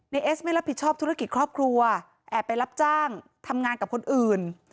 เอสไม่รับผิดชอบธุรกิจครอบครัวแอบไปรับจ้างทำงานกับคนอื่น